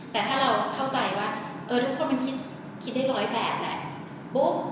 แต่ถ้าเราเข้าใจว่าทุกคนมันคิดได้๑๐๘แหละ